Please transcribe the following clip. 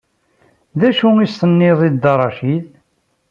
D acu i as-tenniḍ i Dda Racid?